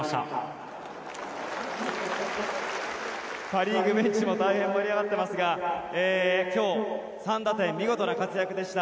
パ・リーグベンチでも大変盛り上がっていますが今日、３打点見事な活躍でした。